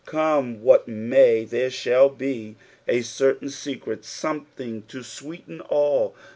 Come what may there shall be " a certain seciet something" to sweeten all.